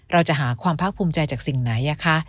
เราจะหาความภาคภูมิใจจากสิ่งไหนคะ